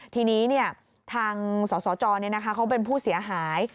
ทีนี้ทางสสจเขาเป็นผู้เสียหาย